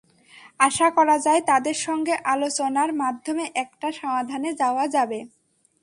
আশা করা যায় তাদের সঙ্গে আলোচনার মাধ্যমে একটা সমাধানে যাওয়া যাবে।